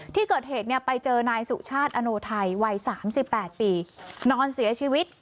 ที่เกิดเหตุเนี่ยไปเจอนายสุชาติอโนไทยวัย๓๘ปีนอนเสียชีวิต